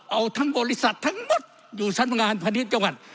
เอาทั้งบริษัททั้งหมดอยู่ชั้นพงธ์ภัณฑ์พระนิทชาวขวัด